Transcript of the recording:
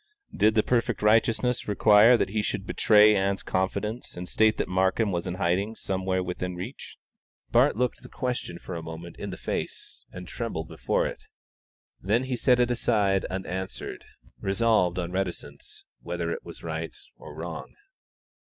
Did the perfect righteousness require that he should betray Ann's confidence and state that Markham was in hiding somewhere within reach? Bart looked the question for a moment in the face, and trembled before it. Then he set it aside unanswered, resolved on reticence, whether it was right or wrong.